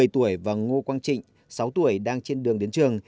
một mươi tuổi và ngô quang trịnh sáu tuổi đang trên đường đến trường